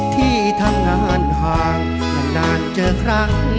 ที่ทำงานห่างนานเจอครั้ง